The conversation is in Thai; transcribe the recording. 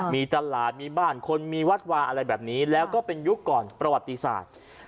มีตลาดมีบ้านคนมีวัดวาอะไรแบบนี้แล้วก็เป็นยุคก่อนประวัติศาสตร์